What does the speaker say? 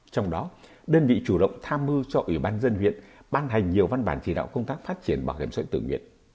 trong đó đơn vị chủ động tham mưu cho ủy ban dân huyện ban hành nhiều văn bản chỉ đạo công tác phát triển bảo hiểm xã hội tự nguyện